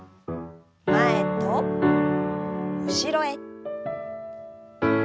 前と後ろへ。